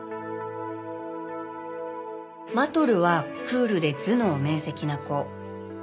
マトルはクールで頭脳明晰な子。